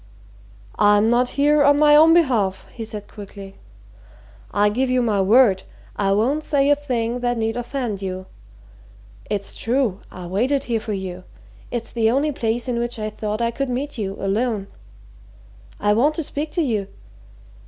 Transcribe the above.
"I'm not here on my own behalf," he said quickly. "I give you my word I won't say a thing that need offend you. It's true I waited here for you it's the only place in which I thought I could meet you, alone. I want to speak to you.